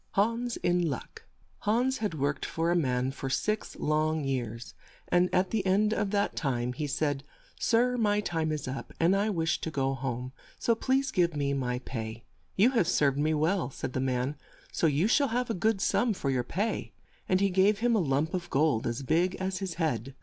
HANS IN LUCK HANS had worked for a man for six long years, and at the end of that time he said, "Sir, my time is up and I wish to go home, so please give me my pay." "You have served me well," said the man, "so you shall have a good sum for your pay," and he gave him a lump of gold as big as his head.